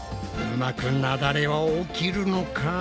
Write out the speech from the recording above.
うまくなだれは起きるのか？